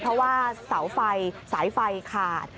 เพราะว่าเสาไฟสายไฟขาด